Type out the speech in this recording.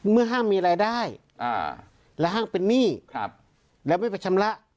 เมื่อห้างมีรายได้อ่าแล้วห้างเป็นหนี้ครับแล้วไม่ไปชำระ